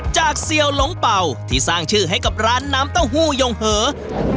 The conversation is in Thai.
เซียวหลงเป่าที่สร้างชื่อให้กับร้านน้ำเต้าหู้ยงเหอะ